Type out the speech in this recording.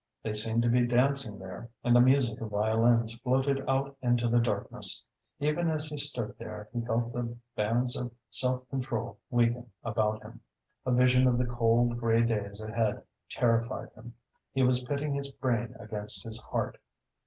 They seemed to be dancing there and the music of violins floated out into the darkness. Even as he stood there, he felt the bands of self control weaken about him. A vision of the cold, grey days ahead terrified him. He was pitting his brain against his heart.